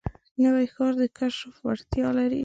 نوی ښار د کشف وړتیا لري